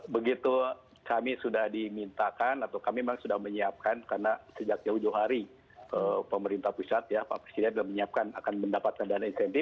begitu kami sudah dimintakan atau kami memang sudah menyiapkan karena sejak jauh jauh hari pemerintah pusat ya pak presiden sudah menyiapkan akan mendapatkan dana insentif